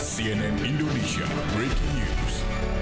cnn indonesia breaking news